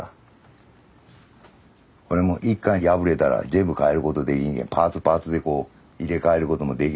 これもう一回破れたら全部替えることできんけパーツパーツでこう入れ替えることもできるんよ。